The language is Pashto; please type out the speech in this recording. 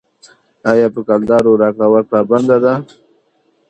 آیا په کلدارو راکړه ورکړه بنده ده؟